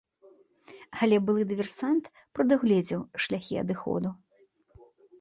Але былы дыверсант прадугледзеў шляхі адыходу.